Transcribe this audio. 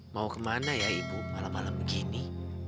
mau ke mana ya ibu malam malam begini